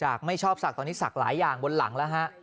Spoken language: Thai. ไม่ชอบศักดิ์ตอนนี้ศักดิ์หลายอย่างบนหลังแล้วฮะ